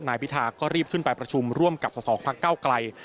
นายพิธาก็รีบขึ้นไปประชุมร่วมกับสสพักเก้าไกล